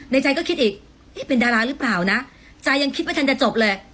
ใจก็คิดอีกเป็นดาราหรือเปล่านะใจยังคิดไม่ทันจะจบเลย